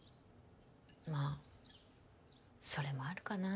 まあそれもあるかな。